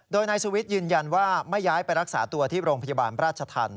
โดยนายสุวิทย์ยืนยันว่าไม่ย้ายไปรักษาตัวที่โรงพยาบาลราชธรรม